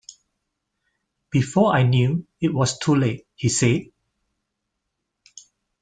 Before I knew, it was too late, he said.